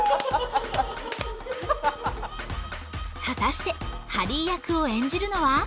果たしてハリー役を演じるのは？